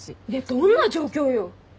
どんな状況よ。